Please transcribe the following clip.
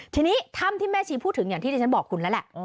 ทีนี้ถ้ำที่แม่ชีพูดถึงอย่างที่ที่ฉันบอกคุณแล้วแหละ